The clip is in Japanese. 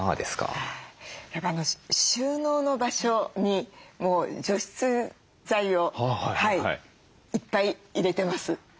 やっぱ収納の場所にもう除湿剤をいっぱい入れてます。